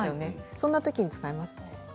そんな時に使います。